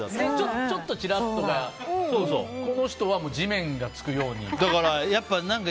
ちょっとチラッとこの人は地面につくぐらい。